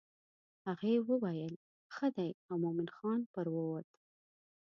هغې وویل ښه دی او مومن خان پر ووت.